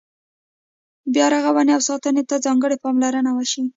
بیا رغونې او ساتنې ته ځانګړې پاملرنه وشي.